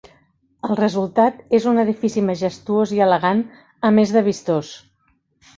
El resultat és un edifici majestuós i elegant, a més de vistós.